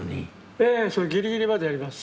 ええギリギリまでやります。